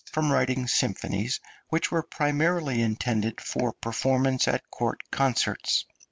} (299) from writing symphonies which were primarily intended for performance at court concerts.